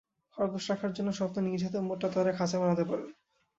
খরগোশ রাখার জন্য স্বপ্না নিজ হাতে মোটা তারের খাঁচা বানাতে পারেন।